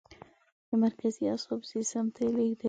د مرکزي اعصابو سیستم ته یې لیږدوي.